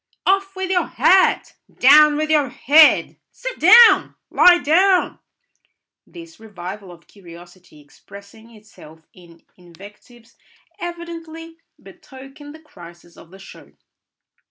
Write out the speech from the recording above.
"Off with your hat!" "Down with your head!" "Sit down!" "Lie down!" This revival of curiosity expressing itself in invectives evidently betokened the crisis of the show.